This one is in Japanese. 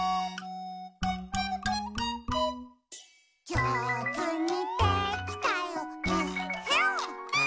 「じょうずにできたよえっへん」